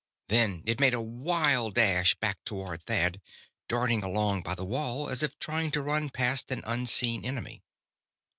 Then it made a wild dash back toward Thad, darting along by the wall, as if trying to run past an unseen enemy.